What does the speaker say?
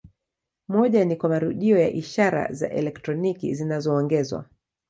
Moja ni kwa marudio ya ishara za elektroniki zinazoongezwa.